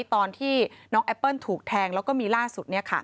ตอนที่น้องแอปเปิ้ลถูกแทงแล้วก็มีล่าสุด